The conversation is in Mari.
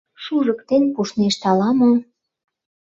— Шужыктен пуштнешт ала-мо.